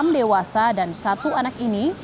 enam dewasa dan satu anak ini